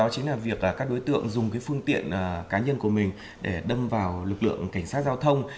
các đối tượng dùng cái phương tiện cá nhân của mình để đâm vào lực lượng cảnh sát giao thông